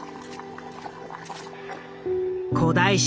古代史